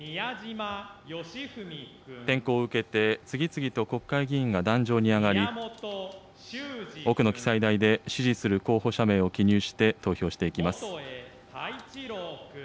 点呼を受けて、次々と国会議員が壇上に上がり、奥の記載台で支持する候補者名を記入して、投票していきます。